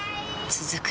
続く